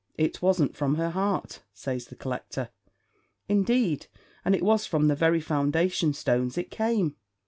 it wasn't from her heart," says the collector. "Indeed, an' it was from the very foundation stones it came.